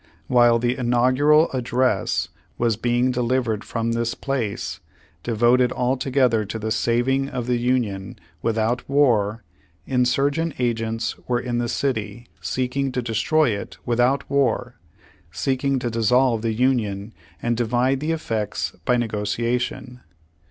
While the Inaugural Address was being delivered from this place, devoted altogether to the saving of the Union without war, insurgent agents v/ere in the city, seeking to destroy it without war — seeking to dissolve the Union and divide the effects by negotiation.